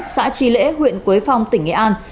xã tri lễ huyện quế phong tỉnh nghệ an